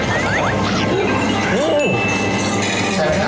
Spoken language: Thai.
อร่อยอ่ะ